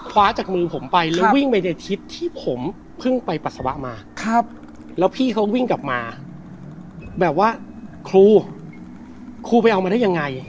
คว้าจากจากมือผมไป